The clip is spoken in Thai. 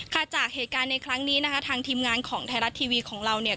จากเหตุการณ์ในครั้งนี้นะคะทางทีมงานของไทยรัฐทีวีของเราเนี่ย